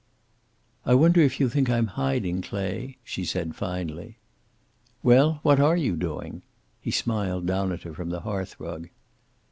"I wonder if you think I'm hiding, Clay," she said, finally. "Well, what are you doing?" He smiled down at her from the hearth rug.